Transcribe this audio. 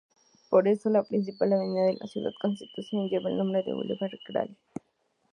Por eso, la principal avenida de Ciudad Constitución, lleva el nombre de "Boulevard Gral.